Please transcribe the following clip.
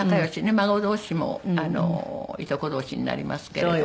孫同士もいとこ同士になりますけれども。